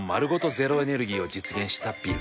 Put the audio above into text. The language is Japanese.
ゼロエネルギーを実現したビル。